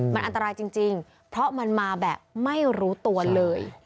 มันอันตรายจริงเพราะมันมาแบบไม่รู้ตัวเลย